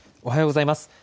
おはようございます。